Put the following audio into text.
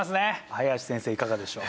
林先生いかがでしょう？